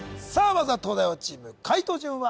まずは東大王チーム解答順は？